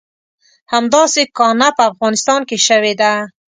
همداسې کانه په افغانستان کې شوې ده.